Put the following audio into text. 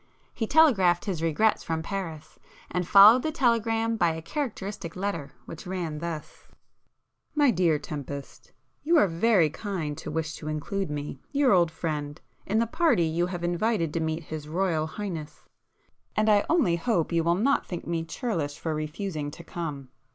He telegraphed his regrets from Paris, and followed the telegram by a characteristic letter, which ran thus:— My dear Tempest. You are very kind to wish to include me, your old friend, in the party you have invited to meet His Royal Highness, and I only hope you will not think me churlish for refusing to come.